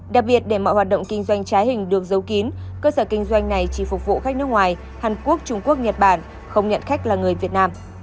đặc biệt để mọi hoạt động kinh doanh trái hình được giấu kín cơ sở kinh doanh này chỉ phục vụ khách nước ngoài hàn quốc trung quốc nhật bản không nhận khách là người việt nam